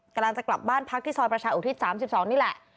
กำลังจะกลับบ้านพักที่ซอยประชาอุทิศ๓๒นี่แหละ